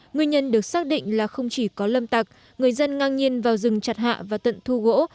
nguyên nhân được xác định là không chỉ có lâm tặc người dân ngang nhiên vào rừng chặt hạ và tận thu gỗ